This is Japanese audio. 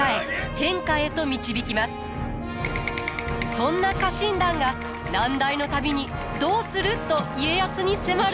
そんな家臣団が難題の度に「どうする」と家康に迫る。